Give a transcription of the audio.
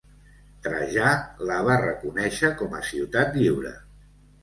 Trajà la va reconèixer com a ciutat lliure.